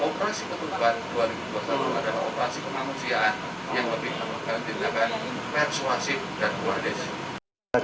operasi ketuban dua ribu dua puluh satu adalah operasi kemanusiaan yang lebih menekankan tindakan persuasif dan kuadis